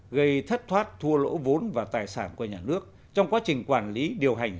gây thất thoát thua lỗ vốn và tài sản của nhà nước trong quá trình quản lý điều hành